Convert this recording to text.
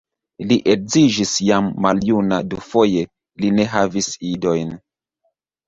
Li edziĝis jam maljuna dufoje, li ne havis idojn.